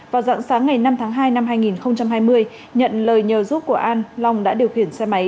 vào dặn sáng ngày năm tháng hai năm hai nghìn hai mươi nhận lời nhờ giúp của an long đã điều khiển xe máy